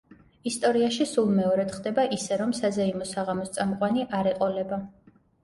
ისტორიაში სულ მეორედ ხდება ისე, რომ საზეიმო საღამოს წამყვანი არ ეყოლება.